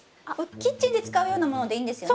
キッチンで使うようなものでいいんですよね？